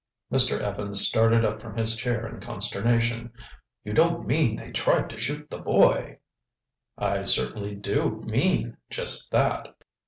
Mr. Evans started up from his chair in consternation. "You don't mean they tried to shoot the boy!" "I certainly do mean just that."